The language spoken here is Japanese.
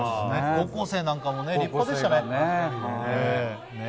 高校生なんかも立派でしたね。